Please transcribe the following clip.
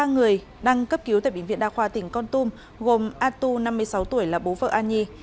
ba người đang cấp cứu tại bệnh viện đa khoa tỉnh con tum gồm atu năm mươi sáu tuổi là bố vợ an nhi